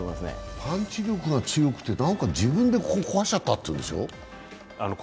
パンチ力が強くて、自分でここを壊しちゃったっていうんでしょう。